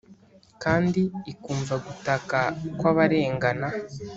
kandi ikumva gutaka kw’ abarengana